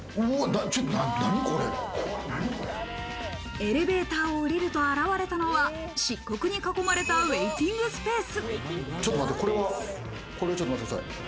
エレベーターを降りると現れたのは、漆黒に囲まれたウェイティングスペース。